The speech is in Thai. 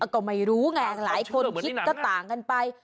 ก็ไม่รู้ไงหลายคนคิดก็ต่างกันไป